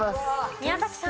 宮崎さん。